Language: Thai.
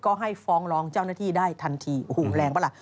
ก็ให้ฟ้องร้องเจ้าหน้าที่ได้ทันทีโอ้โหแรงปะล่ะ